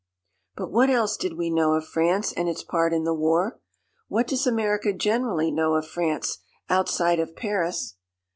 But what else did we know of France and its part in the war? What does America generally know of France, outside of Paris?